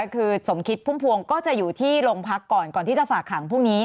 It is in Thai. คือสมคิดพุ่มพวงก็จะอยู่ที่โรงพักก่อนก่อนที่จะฝากขังพรุ่งนี้